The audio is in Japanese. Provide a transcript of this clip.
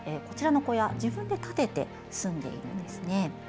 こちらの小屋を自分で建てて住んでいるんです。